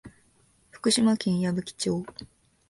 福島県矢吹町